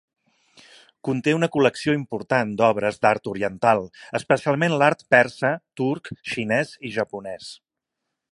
Conté una col·lecció important d'obres d'art oriental, especialment l'art persa, turc, xinès i japonès.